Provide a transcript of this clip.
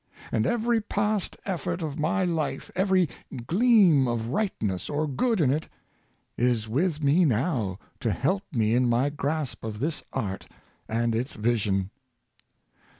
And every past effort of my life, every gleam of rightness or good in it, is with me now, to help me in my grasp of this art Character and Circumstances. 69 and its vision."